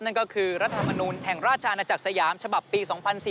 นั่นก็คือรัฐมนุนแห่งราชอาณาจักรสยามฉบับปี๒๔๔